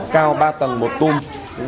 cao ba tầng một tung